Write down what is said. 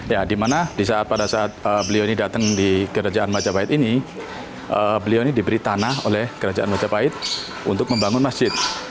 ya dimana pada saat beliau ini datang di kerajaan majapahit ini beliau ini diberi tanah oleh kerajaan majapahit untuk membangun masjid